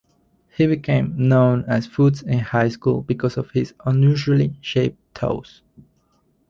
He became known as "Foots" in high school because of his unusually shaped toes.